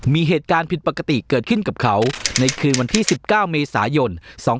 มีเหตุการณ์ผิดปกติเกิดขึ้นกับเขาในคืนวันที่๑๙เมษายน๒๕๖